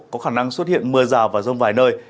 có khả năng xuất hiện mưa rào và rông vài nơi